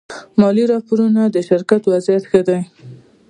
مالي راپورونه د شرکت وضعیت ښيي.